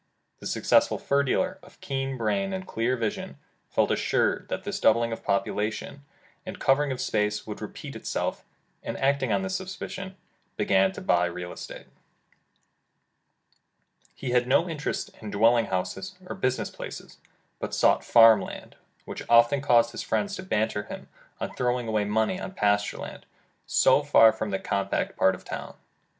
The successful fur dealer, of keen brain and clear vision, felt assured that this doubling of population, and covering of space would repeat itself, and acting on this sup position, began to buy real estate. He had no interest in dwelling houses, or business places, but sought farm land, which often caused his friends to banter him on throwing away money on pasture land, so far from the compact part of the town.